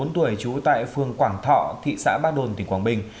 một mươi bốn tuổi trú tại phường quảng thọ thị xã ba đồn tỉnh quảng bình